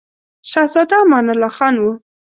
شهزاده امان الله خان وو.